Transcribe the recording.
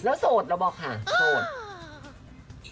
โสดเราบอกค่ะโสด